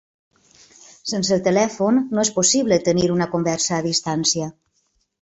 Sense el telèfon no és possible tenir una conversa a distància.